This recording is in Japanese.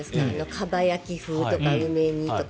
かば焼き風とか梅煮とか。